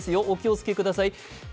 お気をつけください。